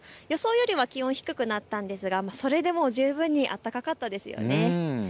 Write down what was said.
予想よりは気温、低くなったんですが、それでも十二分に暖かかったですよね。